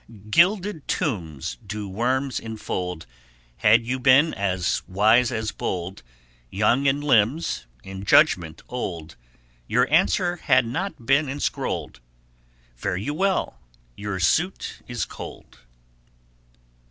Guilded tombs do worms infold. Had you been as wise as bold, Young in limbs, in judgment old, Your answer had not been inscrolled Fare you well, your suit is cold.